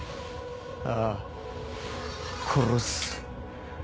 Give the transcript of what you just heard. ああ殺す。